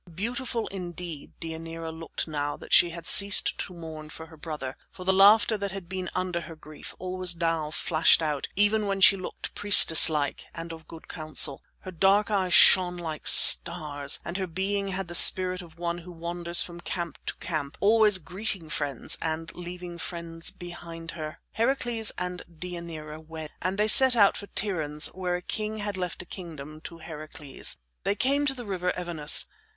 Beautiful indeed Deianira looked now that she had ceased to mourn for her brother, for the laughter that had been under her grief always now flashed out even while she looked priestess like and of good counsel; her dark eyes shone like stars, and her being had the spirit of one who wanders from camp to camp, always greeting friends and leaving friends behind her. Heracles and Deianira wed, and they set out for Tiryns, where a king had left a kingdom to Heracles. They came to the River Evenus.